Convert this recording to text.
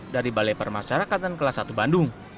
dari balai permasyarakatan kelas satu bandung